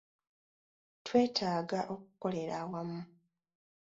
Twetaaga okukolera awamu.